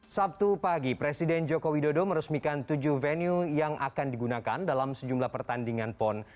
sabtu pagi presiden joko widodo meresmikan tujuh venue yang akan digunakan dalam sejumlah pertandingan pon